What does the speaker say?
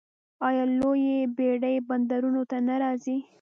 آیا لویې بیړۍ بندرونو ته نه راځي؟